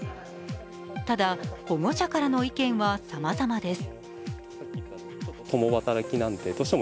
ただ、保護者からの意見はさまざまです。